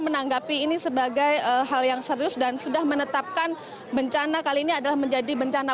menanggapi ini sebagai hal yang serius dan sudah menetapkan bencana kali ini adalah menjadi bencana